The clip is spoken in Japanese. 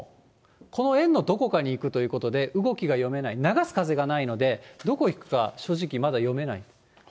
この円のどこかに行くということで、動きが読めない、流す風がないので、どこに行くか正直まだ読めない。